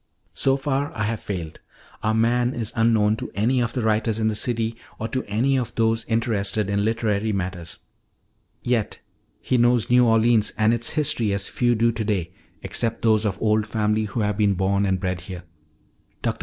So far I have failed; our man is unknown to any of the writers of the city or to any of those interested in literary matters. "Yet he knows New Orleans and its history as few do today except those of old family who have been born and bred here. Dr.